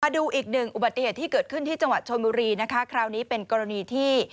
ดูอีกหนึ่งอุบัติเหตุที่เกิดขึ้นที่จังหวัดชนบุรีนะคะคราวนี้เป็นกรณีที่